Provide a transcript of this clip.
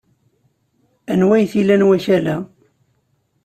Anwa ay t-ilan wakal-a?